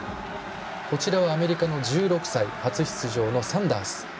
こちらはアメリカの１６歳初出場のサンダース。